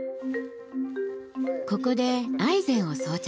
ここでアイゼンを装着。